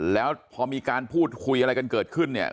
แล้วพอมีการพูดคุยอะไรกันเกิดขึ้นเนี่ย